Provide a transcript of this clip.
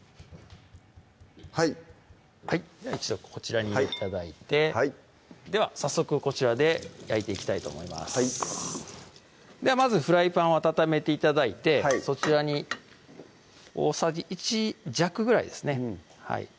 はいはい一度こちらに入れて頂いてでは早速こちらで焼いていきたいと思いますではまずフライパンを温めて頂いてそちらに大さじ１弱ぐらいですね